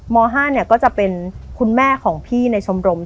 ม๕ก็จะเป็นคุณแม่ของพี่ในชมรม